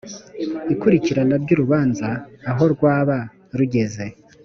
ikurikirana ry urubanza aho rwaba rugeze